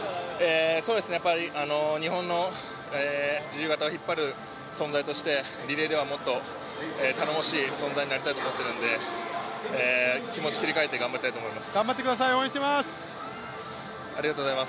日本の自由形を引っ張る存在としてリレーではもっと頼もしい存在になりたいと思っているので気持ち切り替えて頑張りたいと思います。